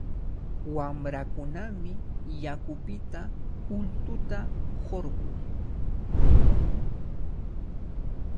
Wamrakunami yakupita ultuta hurqun.